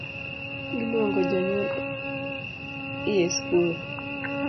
Iluongo jonyuol ie skul .